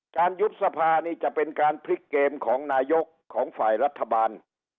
ยุบสภานี่จะเป็นการพลิกเกมของนายกของฝ่ายรัฐบาล